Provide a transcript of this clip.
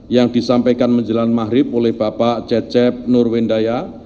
yang disampaikan menjelang mahrib oleh bapak cecep nurwendaya